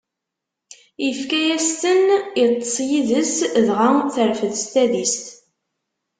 Ifka-as-ten, iṭṭeṣ yid-s, dɣa terfed s tadist.